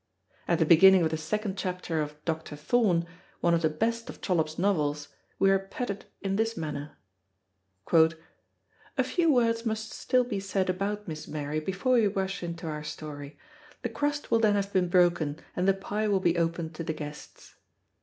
At the beginning of the second chapter of Dr. Thorne, one of the best of Trollope's novels, we are petted in this manner: "A few words must still be said about Miss Mary before we rush into our story; the crust will then have been broken, and the pie will be open to the guests."